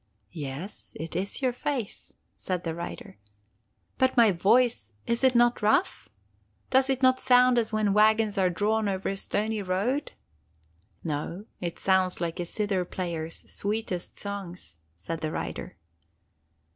'Yes, it is your face,' said the rider. 'But my voice, is it not rough? Does it not sound as when wagons are drawn over a stony road?' 'No! It sounds like a zither player's sweetest songs,' said the rider.